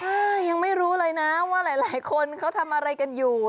ใช่ยังไม่รู้เลยนะว่าหลายคนเขาทำอะไรกันอยู่